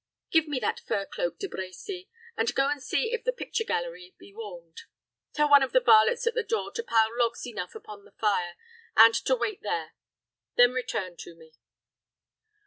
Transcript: Give me that fur cloak, De Brecy, and go and see if the picture gallery be warmed. Tell one of the varlets at the door to pile logs enough upon the fire, and to wait there. Then return to me."